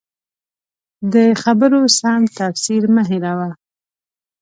د خبرو سم تفسیر مه هېروه.